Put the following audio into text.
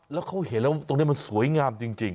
แล้วเขาเห็นแล้วตรงนี้มันสวยงามจริง